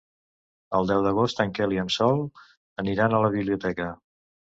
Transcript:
El deu d'agost en Quel i en Sol aniran a la biblioteca.